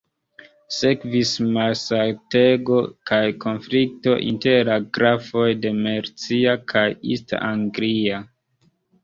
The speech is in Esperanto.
Sekvis malsatego kaj konflikto inter la grafoj de Mercia kaj East Anglia.